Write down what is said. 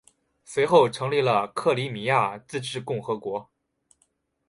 随后成立了克里米亚自治共和国。